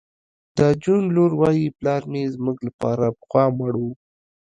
د جون لور وایی پلار مې زموږ لپاره پخوا مړ و